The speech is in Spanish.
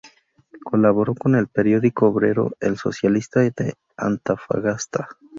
Colaboró con el periódico obrero "El Socialista" de Antofagasta.